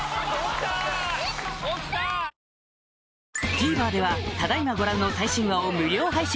ＴＶｅｒではただ今ご覧の最新話を無料配信！